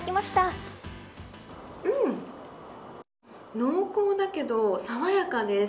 濃厚だけど爽やかです。